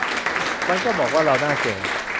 มันก็บอกว่า เราหน้าแก่